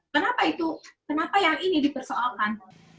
kenapa itu kenapa yang ini dipersoalkan